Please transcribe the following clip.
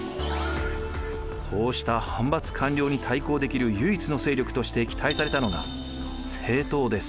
こうした藩閥・官僚に対抗できる唯一の勢力として期待されたのが政党です。